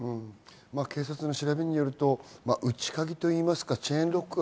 警察の調べによると、内鍵というかチェーンロックが